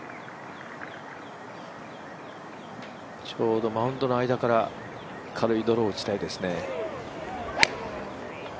ちょうどマウンドの間から軽いドローを打ちたいですね。